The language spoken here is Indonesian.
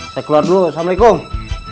saya keluar dulu assalamualaikum